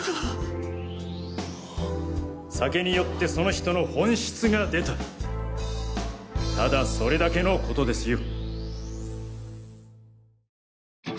酒に酔ってその人の本質が出たただそれだけのことですよ。